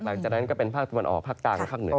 หลังจากนั้นก็เป็นภาคตะวันออกภาคกลางภาคเหนือ